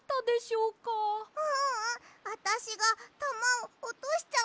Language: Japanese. ううん。あたしがたまをおとしちゃったから。